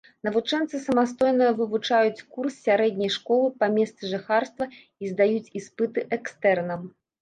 Навучэнцы самастойна вывучаюць курс сярэдняй школы па месцы жыхарства і здаюць іспыты экстэрнам.